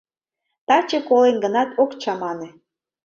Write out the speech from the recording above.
— Таче колем гынат, ок чамане...